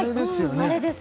あれです